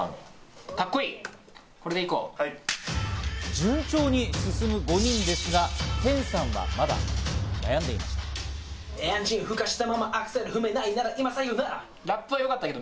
順調に進む５人ですが、テンさんはまだ悩んでいました。